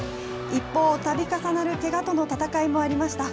一方、たび重なるけがとの闘いもありました。